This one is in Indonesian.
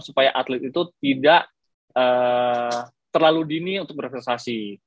supaya atlet itu tidak terlalu dini untuk berprestasi